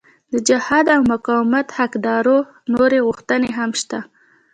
د جهاد او مقاومت د حقدارو نورې غوښتنې هم شته.